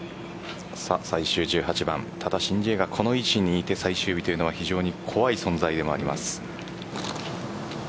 最終１８番ただ、申ジエがこの位置にいて最終日というのは非常に怖い存在でもあります。